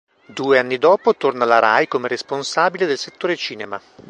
Due anni dopo torna alla Rai come responsabile del settore cinema.